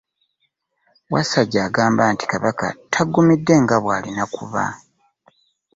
Wasajja agamba nti Kabaka taggumidde nga bw'alina kuba.